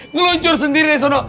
ngeluncur sendiri deh sono